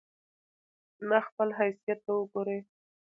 نه خپل حيثت ته وګوري